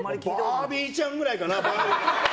バービーちゃんぐらいかな。